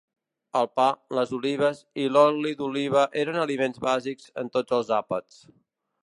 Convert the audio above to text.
El pa, les olives i l'oli d'oliva eren aliments bàsics en tots els àpats.